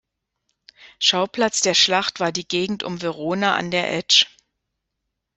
Schauplatz der Schlacht war die Gegend um Verona an der Etsch.